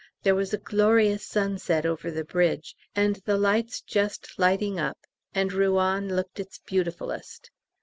There was a glorious sunset over the bridge, and the lights just lighting up, and Rouen looked its beautifulest.